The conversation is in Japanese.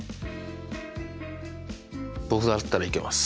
僕だったらいけます。